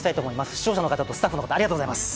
視聴者の方、スタッフの皆さん、ありがとうございました。